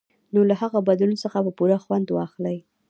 نو له هغه بدلون څخه به پوره خوند واخلئ.